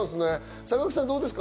坂口さん、どうですか？